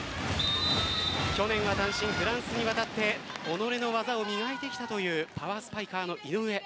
去年は単身、フランスに渡って己の技を磨いてきたというパワースパイカーの井上。